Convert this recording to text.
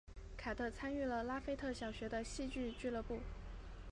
卡特参与了拉斐特小学的戏剧俱乐部。